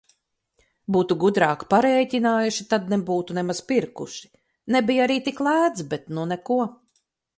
Būtu gudrāk parēķinājuši, tad nebūtu nemaz pirkuši. Nebija arī tik lēts, bet nu neko.